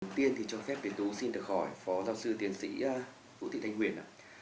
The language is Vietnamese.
đầu tiên thì cho phép việt thủ xin được hỏi phó giáo sư tiến sĩ vũ thị thanh nguyên